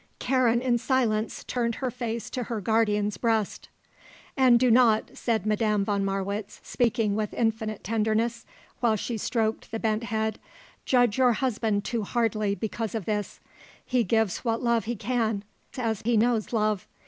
Karen, in silence, turned her face to her guardian's breast. "And do not," said Madame von Marwitz, speaking with infinite tenderness, while she stroked the bent head, "judge your husband too hardly because of this. He gives what love he can; as he knows love.